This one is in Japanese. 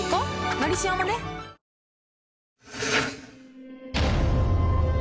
「のりしお」もねえ